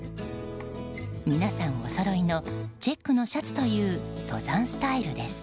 皆さんおそろいのチェックのシャツという登山スタイルです。